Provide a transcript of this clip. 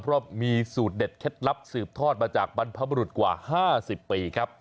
เพราะมีสูตรเด็ดเคล็ดลับสืบทอดมาจากบรรพบรุษกว่า๕๐ปีครับ